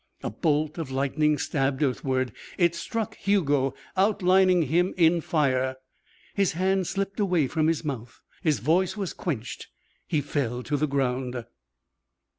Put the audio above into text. A bolt of lightning stabbed earthward. It struck Hugo, outlining him in fire. His hand slipped away from his mouth. His voice was quenched. He fell to the ground.